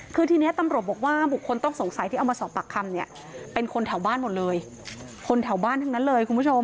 คือทีนี้ตำรวจบอกว่าบุคคลต้องสงสัยที่เอามาสอบปากคำเนี่ยเป็นคนแถวบ้านหมดเลยคนแถวบ้านทั้งนั้นเลยคุณผู้ชม